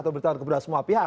atau bertanya kepada semua pihak